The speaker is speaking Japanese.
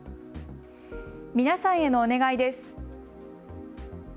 皆さんへのお願いです。